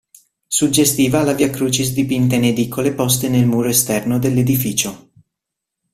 Suggestiva la via crucis dipinta in edicole poste nel muro esterno dell'edificio.